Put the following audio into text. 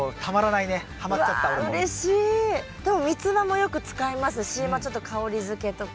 でもミツバもよく使いますしまあちょっと香りづけとか。